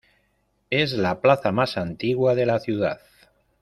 Es la plaza más antigua de la ciudad.